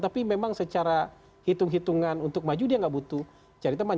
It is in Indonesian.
tapi memang secara hitung hitungan untuk maju dia nggak butuh cari teman